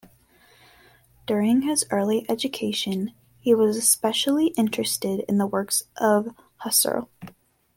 During his early education, he was especially interested in the works of Husserl.